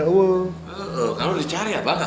kalau dicari abah gak ada